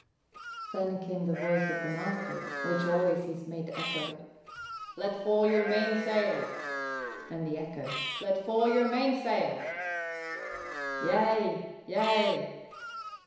Then came the voice of the master, which always his mate echoed, "Let fall your mainsail!" And the echo, "Let fall your mainsail!" "Yea, yea!"